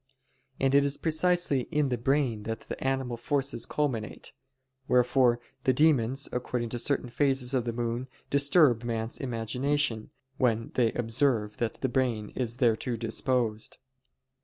And it is precisely in the brain that animal forces culminate: wherefore the demons, according to certain phases of the moon, disturb man's imagination, when they observe that the brain is thereto disposed.